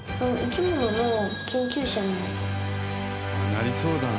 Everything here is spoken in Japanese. なりそうだな。